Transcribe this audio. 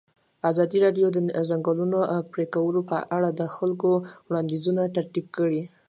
ازادي راډیو د د ځنګلونو پرېکول په اړه د خلکو وړاندیزونه ترتیب کړي.